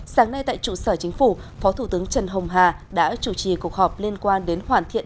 sáng nay tại trụ sở chính phủ phó thủ tướng trần hồng hà đã chủ trì cuộc họp liên quan đến hoàn thiện